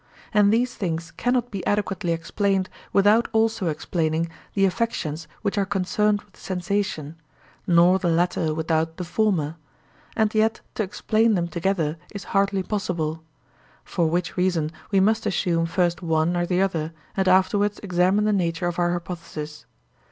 And these things cannot be adequately explained without also explaining the affections which are concerned with sensation, nor the latter without the former: and yet to explain them together is hardly possible; for which reason we must assume first one or the other and afterwards examine the nature of our hypothesis.